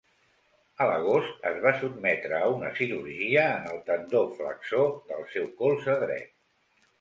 A l'agost, es va sotmetre a una cirurgia en el tendó flexor del seu colze dret.